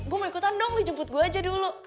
gue mau ikutan dong lo jemput gue aja dulu